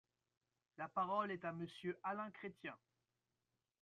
La parole est à Monsieur Alain Chrétien.